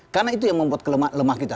karena itu yang membuat kelemah kita